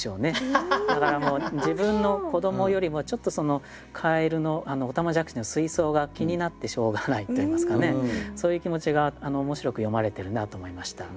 だからもう自分の子どもよりもちょっとそのカエルのおたまじゃくしの水槽が気になってしょうがないといいますかねそういう気持ちが面白く詠まれてるなと思いました。